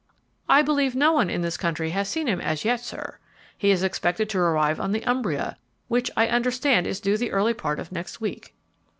"I believe no one in this country has seen him as yet, sir. He is expected to arrive on the 'Umbria,' which I understand is due the early part of next week."